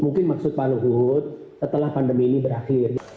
mungkin maksud pak luhut setelah pandemi ini berakhir